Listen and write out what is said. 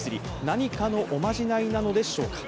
何かのおまじないなのでしょうか。